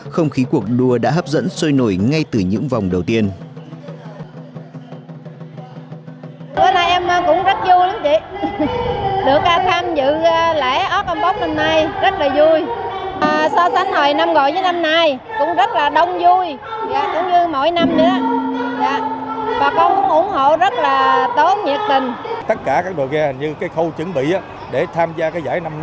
khí cuộc đua đã hấp dẫn sôi nổi ngay từ những vòng đầu tiên